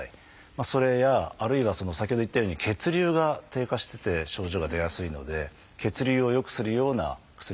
それやあるいは先ほど言ったように血流が低下してて症状が出やすいので血流を良くするような薬